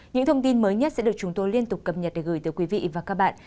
những thông tin mới nhất sẽ được chúng tôi liên tục cập nhật để gửi tới quý vị và các bạn